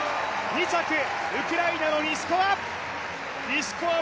２着、ウクライナのリシコワ。